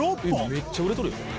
めっちゃ売れとるやん。